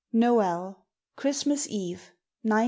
NOEL: CHRISTMAS EVE, 1913.